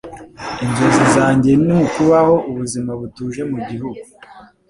Inzozi zanjye ni ukubaho ubuzima butuje mugihugu.